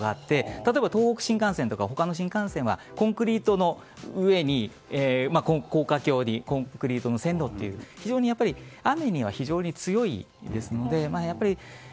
例えば東北新幹線や他の新幹線はコンクリートの上に高架橋を作って線路ということで雨には非常に強いんですね。